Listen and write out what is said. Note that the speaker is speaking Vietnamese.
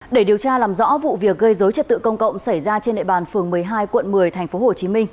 để điều tra làm rõ vụ việc gây dối trật tự công cộng xảy ra trên địa bàn phường một mươi hai quận một mươi tp hcm